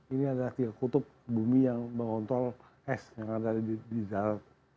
ini adalah kutub bumi yang mengontrol es yang ada di darat